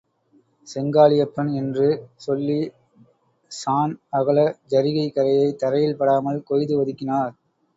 செங்காளியப்பன்! என்று சொல்லி, சாண் அகல ஜரிகை கரையைத் தரையில் படாமல் கொய்து ஒதுக்கினார்.